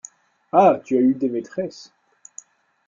Ah ! tu as eu des maîtresses !